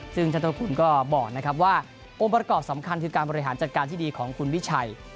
ซึ่งชาติคุณก็บอกนะครับว่าองค์ประกอบสำคัญคือการบริหารจัดการที่ดีของคุณวิชัย